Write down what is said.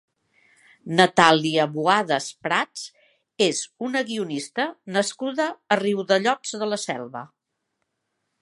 Natàlia Boadas Prats és una guionista nascuda a Riudellots de la Selva.